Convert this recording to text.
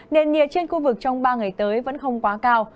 nền nhiệt trên khu vực trong ba ngày tới vẫn không quá cao